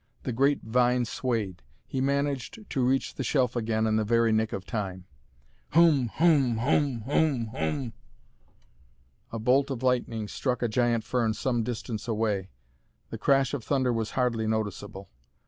The great vine swayed. He managed to reach the shelf again in the very nick of time. "HOOM! HOOM! HOOM! HOOM! HOOM!" A bolt of lightning struck a giant fern some distance away. The crash of thunder was hardly noticeable.